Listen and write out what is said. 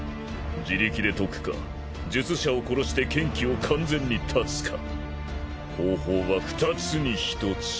自力で解くか術者を殺して剣気を完全に絶つか方法は二つに一つ。